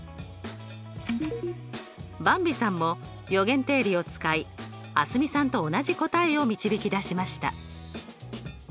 ばんびさんも余弦定理を使い蒼澄さんと同じ答えを導き出しました。